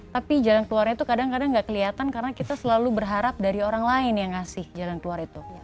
tapi jalan keluarnya itu kadang kadang gak kelihatan karena kita selalu berharap dari orang lain yang ngasih jalan keluar itu